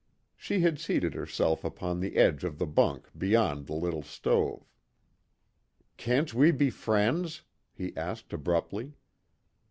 She had seated herself upon the edge of the bunk beyond the little stove. "Can't we be friends?" he asked abruptly.